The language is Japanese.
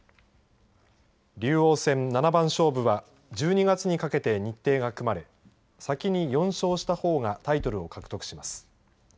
竜王戦七番勝負は１２月にかけて日程が組まれ先に４勝したほうがタイトルを獲得します。